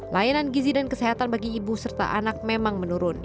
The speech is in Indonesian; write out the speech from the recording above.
layanan gizi dan kesehatan bagi ibu serta anak memang menurun